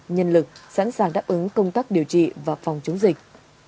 nhân lực sẵn sàng đáp ứng công tác điều trị và phòng chống dịch